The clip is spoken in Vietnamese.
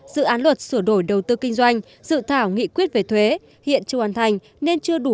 dự án luật sửa đổi đầu tư kinh doanh dự thảo nghị quyết về thuế hiện chưa hoàn thành nên chưa đủ